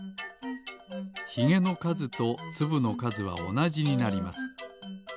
ひげのかずとつぶのかずはおなじになります。